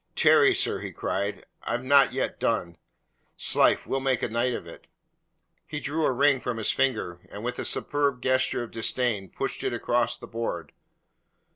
"Tarry, sir," he cried, "I've not yet done. 'Slife, we'll make a night of it." He drew a ring from his finger, and with a superb gesture of disdain pushed it across the board.